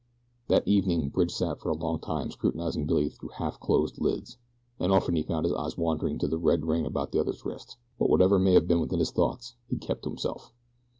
That evening Bridge sat for a long time scrutinizing Billy through half closed lids, and often he found his eyes wandering to the red ring about the other's wrist; but whatever may have been within his thoughts he kept to himself.